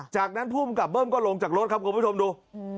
จากนั้นภูมิกับเบิ้มก็ลงจากรถครับคุณผู้ชมดู